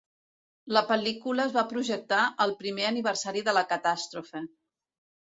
La pel·lícula es va projectar el primer aniversari de la catàstrofe.